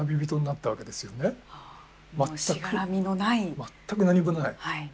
全くなにもない。